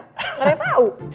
nggak ada yang tau